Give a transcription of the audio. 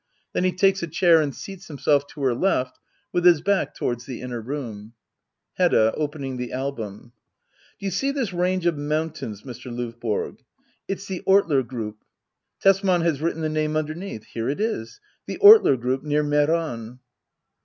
Then he takes a chair and seeds him self to her left, with his back towards the inner room. Hedda. [Opening the album."] Do you see this range of mountains^ Mr. Lovborg ? It's the Ortler group. Tesman has written the name underneath. Here it is :'' The Ortler group near Meran."